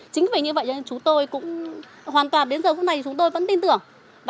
chính vì như vậy nên chúng tôi cũng hoàn toàn đến giờ hôm nay chúng tôi vẫn tin tưởng